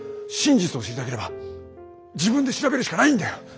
真実を知りたければ自分で調べるしかないんだよ。